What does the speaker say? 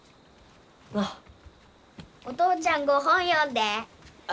お父ちゃんご本読んで。え？